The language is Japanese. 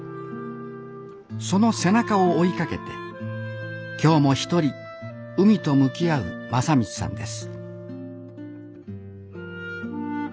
その背中を追いかけて今日も一人海と向き合う正道さんです